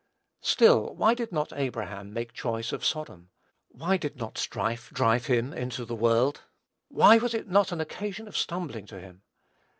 Still, why did not Abraham make choice of Sodom? Why did not the strife drive him into the world? Why was it not an occasion of stumbling to him?